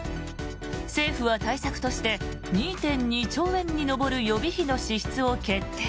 政府は対策として２．２兆円に上る予備費の支出を決定。